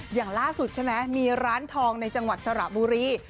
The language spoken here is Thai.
อย่างล่าสุดใช่ไหมมีร้านทองในจังหวัดสระบุรี